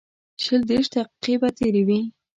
شل دېرش دقیقې به تېرې وې.